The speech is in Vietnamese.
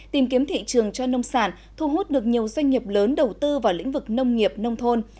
trường cho nông sản thu hút được nhiều doanh nghiệp lớn đầu tư vào lĩnh vực nông nghiệp nông thôn